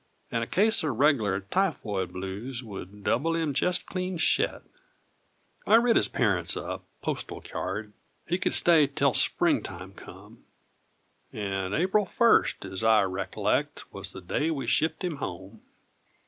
And a case o' reguller tyfoid blues Would double him jest clean shet! I writ his parents a postal kyard He could stay 'tel spring time come; And Aprile first, as I rickollect, Was the day we shipped him home.